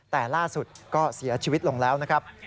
แต่ล่าสุดก็เสียชีวิตลงแล้วนะครับ